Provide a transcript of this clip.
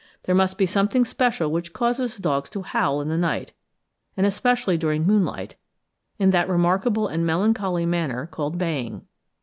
There must be something special, which causes dogs to howl in the night, and especially during moonlight, in that remarkable and melancholy manner called baying.